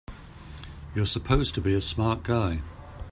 You're supposed to be a smart guy!